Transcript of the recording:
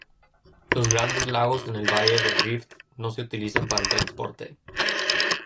Los grandes lagos en el valle del Rift no se utilizan para el transporte.